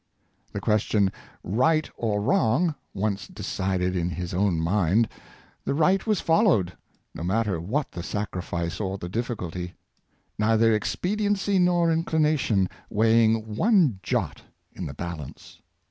The question, " right or wrong," once decided in his own mind, the right was followed, no matter what the sacrifice or the difficulty — neither expediency nor inclination weighing one jot in the balance.